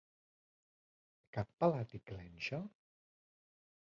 Cap pelat i clenxa?